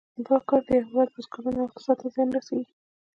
دا کار د یو هېواد بزګرانو او اقتصاد ته زیان رسیږي.